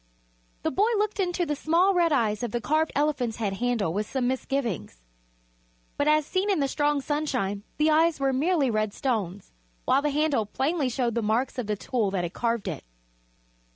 The boy looked into the small red eyes of the carved elephant's head handle with some misgivings, but as seen in the strong sunshine the eyes were merely red stones, while the handle plainly showed the marks of the tool that had carved it.